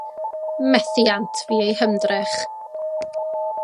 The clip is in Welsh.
Methiant fu eu hymdrech.